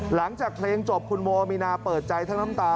หลังจากเพลงจบคุณโมมีนาเปิดใจทั้งน้ำตา